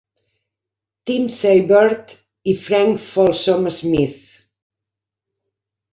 "Tim" Seibert, i Frank Folsom Smith.